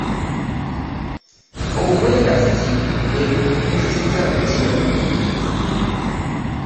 Obwegassi bwe bututuusizza ku kino.